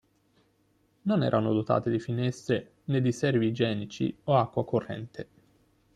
Non erano dotate di finestre, né di servi igienici o acqua corrente.